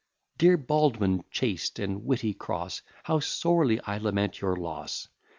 Dear Baldwin chaste, and witty Crosse, How sorely I lament your loss!